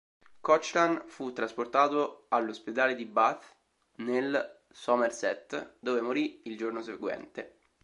Cochran fu trasportato all'ospedale di Bath nel Somerset, dove morì il giorno seguente.